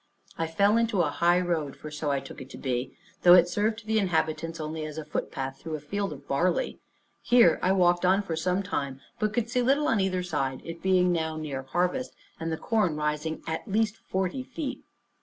I fell into a highroad, for so I took it to be, though it served to the inhabitants only as a footpath through a field of barley. Here I walked on for some time, but could see little on either side, it being now near harvest, and the corn rising at least forty feet.